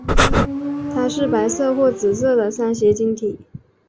它是白色或紫色的三斜晶体。